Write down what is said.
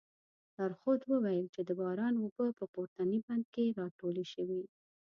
لارښود وویل چې د باران اوبه په پورتني بند کې راټولې شوې.